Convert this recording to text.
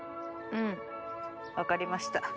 うん。わかりました。